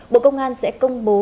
bộ công an sẽ công bố